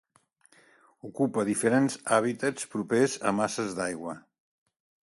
Ocupa diferents hàbitats propers a masses d'aigua.